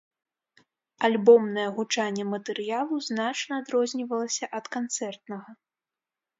Альбомнае гучанне матэрыялу значна адрознівалася ад канцэртнага.